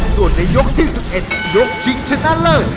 ส่วนในยกที่๑๑ยกชิงชนะเลิศ